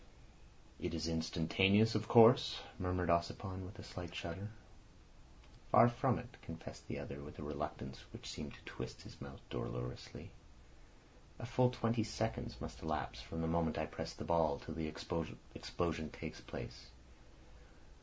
"It is instantaneous, of course?" murmured Ossipon, with a slight shudder. "Far from it," confessed the other, with a reluctance which seemed to twist his mouth dolorously. "A full twenty seconds must elapse from the moment I press the ball till the explosion takes place."